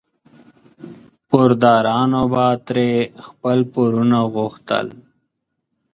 پوردارانو به ترې خپل پورونه غوښتل.